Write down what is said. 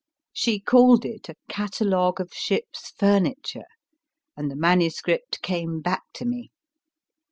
She called it o a catalogue of ship s furniture, and the manuscript came back to rne.